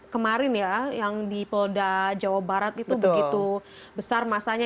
kemarin ya yang di polda jawa barat itu begitu besar masanya